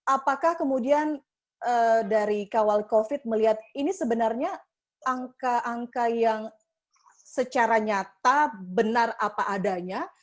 apakah kemudian dari kawal covid melihat ini sebenarnya angka angka yang secara nyata benar apa adanya